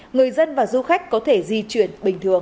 người dân và du khách có thể di chuyển bình thường